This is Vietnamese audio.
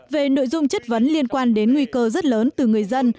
về nội dung chất vấn liên quan đến nguy cơ rất lớn từ người dân